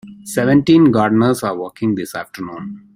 Seventeen gardeners are working this afternoon.